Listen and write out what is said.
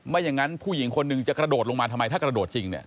อย่างนั้นผู้หญิงคนหนึ่งจะกระโดดลงมาทำไมถ้ากระโดดจริงเนี่ย